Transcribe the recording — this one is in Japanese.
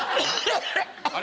あれ？